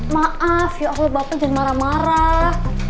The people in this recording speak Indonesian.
maaf ya allah bapak jadi marah marah